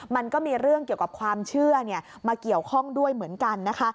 มันก็มีเรื่องเกี่ยวกับความเชื่อมาเกี่ยวข้องด้วยเหมือนกันนะคะ